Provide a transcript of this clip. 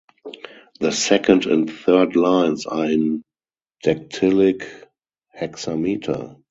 The second and third lines are in dactylic hexameter.